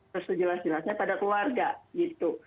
sejelas jelasnya pada keluarga gitu